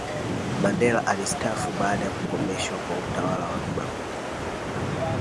mandela alisitaafu baada ya kukomeshwa kwa utawala wa kibaguzi